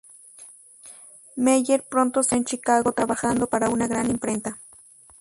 Meyer pronto se encontró en Chicago trabajando para una gran imprenta.